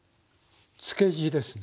漬け地ですね。